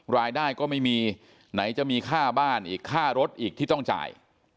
รายได้ก็ไม่มีไหนจะมีค่าบ้านอีกค่ารถอีกที่ต้องจ่าย